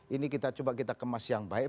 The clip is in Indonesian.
ini kita coba kita kemas yang baik